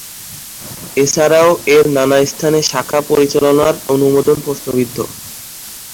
এছাড়াও এর নানা স্থানে শাখা পরিচালনার অনুমোদন প্রশ্নবিদ্ধ।